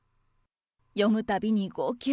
読むたびに号泣。